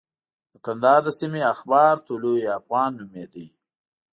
د کندهار د سیمې اخبار طلوع افغان نومېده.